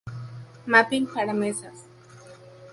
Mapping para mesas.